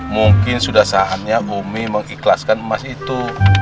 mungkin sudah saatnya umi mengikhlaskan emas itu